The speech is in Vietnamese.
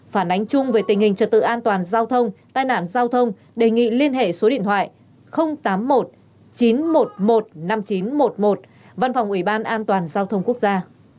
phản ánh chung về tình hình trật tự an toàn giao thông tai nạn giao thông đề nghị liên hệ số điện thoại tám mươi một chín trăm một mươi một năm nghìn chín trăm một mươi một văn phòng ủy ban an toàn giao thông quốc gia